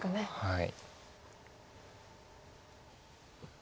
はい。